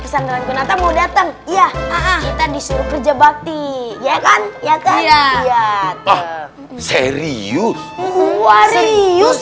pesan rangkunata mau datang ya kita disuruh kerja bakti ya kan ya kan ya ah serius warius